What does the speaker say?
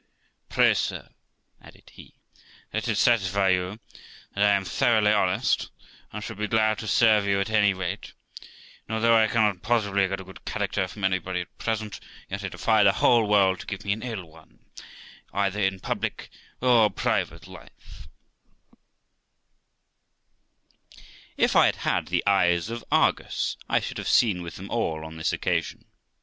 Pray, sir', added he, 'let it satisfy you that I am thoroughly honest, and should be glad to serve you at any rate; and although I cannot possibly get a good character from anybody at present, yet I defy the whole world to give me an ill one, either in public or private life.' 398 THE LIFE OF ROXANA If I had had the eyes of Argus I should have seen with them all on this occasion.